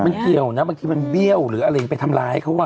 มันเกี่ยวนะบางทีมันเบี้ยวหรืออะไรไปทำร้ายเขาอ่ะ